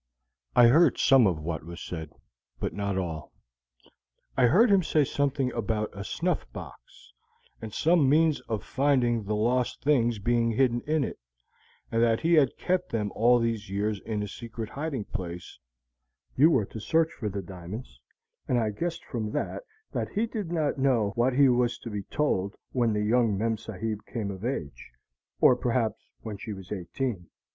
I could hear much that was said, but not all. I heard him say something about a snuff box, and some means of finding the lost things being hidden in it, and that he had kept them all these years in a secret hiding place, which he described. You were to search for the diamonds, and I guessed from that that he did not know what he was to be told when the young memsahib came of age, or perhaps when she was eighteen.